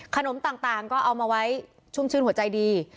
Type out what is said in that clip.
ขนมต่างก็เอามาไว้ชุ่มชื่นหัวใจดี